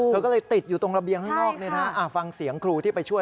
เธอก็เลยติดอยู่ตรงระเบียงข้างนอกเนี่ยนะฟังเสียงครูที่ไปช่วย